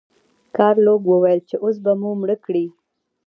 ګارلوک وویل چې اوس به مو مړه کړئ.